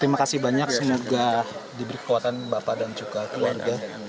terima kasih banyak semoga diberi kekuatan bapak dan juga keluarga